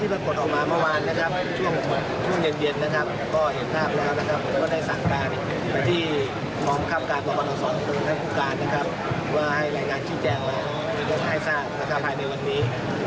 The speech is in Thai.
ข้อสอบคุณท่านผู้การนะครับว่าให้แรงงานชื่อแจ้งมาให้ศาสตร์ภายในวันนี้